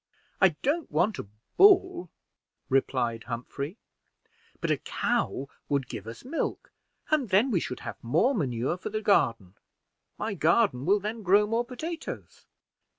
"I don't want a bull," replied Humphrey, "but a cow would give us milk, and then we should have more manure for the garden. My garden will then grow more potatoes."